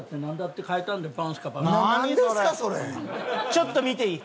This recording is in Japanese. ちょっと見ていい？